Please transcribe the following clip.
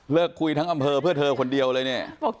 คุยทั้งอำเภอเพื่อเธอคนเดียวเลยเนี่ย